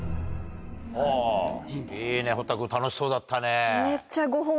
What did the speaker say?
ほういいね堀田君楽しそうだったね。